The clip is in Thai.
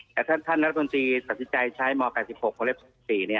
แต่ถ้าท่านรัฐบนตรีสับสิทธิ์ใจใช้มคศ๑๖คศ๑๔